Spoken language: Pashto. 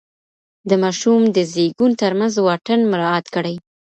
د ماشوم د زیږون ترمنځ واټن مراعات کړئ.